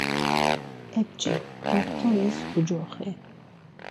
Epçi, doxtoris ucoxi .